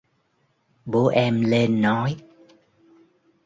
Bố em lên nói